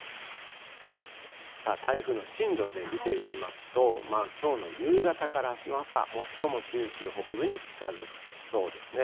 台風の進路で見ていきますと、きょうの夕方からあすの朝、最も九州北部に近づきそうですね。